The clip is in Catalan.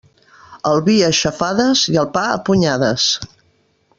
El vi a xafades i el pa a punyades.